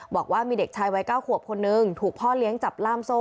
บอกว่ามีเด็กชายวัย๙ขวบคนนึงถูกพ่อเลี้ยงจับล่ามโซ่